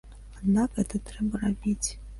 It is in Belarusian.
Аднак гэта трэба рабіць.